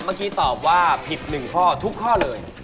เมื่อกี้ตอบว่าผิด๑ข้อทุกข้อเลย